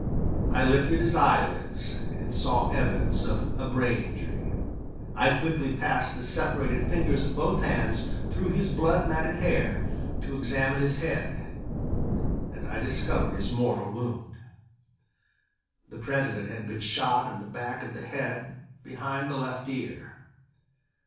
I lifted his eyelids and saw evidence of a brain injury. I quickly passed the separated fingers of both hands through his blood matted hair to examine his head, and I discovered his mortal wound. The President had been shot in the back part of the head, behind the left ear.